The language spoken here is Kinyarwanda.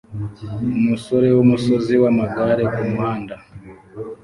Umusore wumusozi wamagare kumuhanda